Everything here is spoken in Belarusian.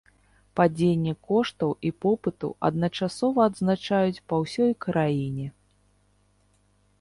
Падзенне коштаў і попыту адначасова адзначаюць па ўсёй краіне.